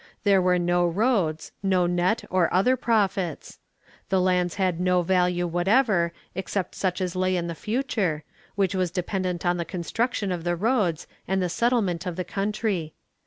There were no roads, no net or other profits. The lands had no value whatever except such as lay in the future, which was dependent on the construction of the roads and the settlement of the country.